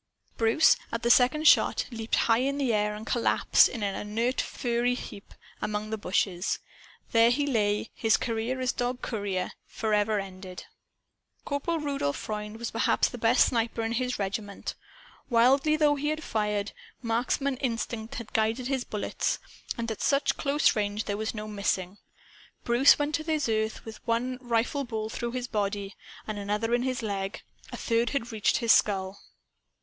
Bruce, at the second shot, leaped high in the air, and collapsed, in an inert furry heap, among the bushes. There he lay, his career as a courier dog forever ended. Corporal Rudolph Freund was perhaps the best sniper in his regiment. Wildly though he had fired, marksman instinct had guided his bullets. And at such close range there was no missing. Bruce went to earth with one rifle ball through his body, and another in his leg. A third had reached his skull.